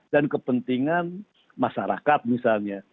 dan kepentingan masyarakat misalnya